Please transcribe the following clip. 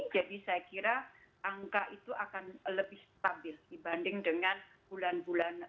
jadi saya kira angka itu akan lebih stabil dibanding dengan bulan bulan tahun